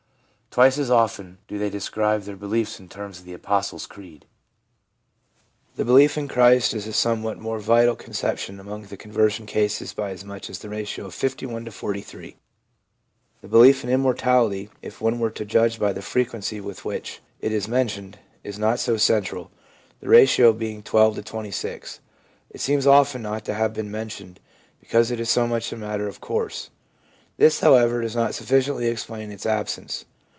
Twice as often do they describe their beliefs in terms of the Apostles' creed. The belief in Christ is a somewhat more vital concep tion among the conversion cases by as much as the ratio of 51 to 43. The belief in immortality, if one were to judge by the frequency with which it is mentioned, is not so central, the ratio being 12 to 26. It seems often not to have been mentioned, because it is so much a matter of course ; this, however, does not sufficiently explain its absence.